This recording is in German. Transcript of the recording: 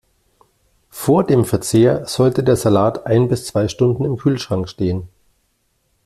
Vor dem Verzehr sollte der Salat ein bis zwei Stunden im Kühlschrank stehen.